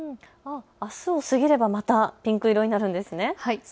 あすを過ぎればまたピンク色になるんですね。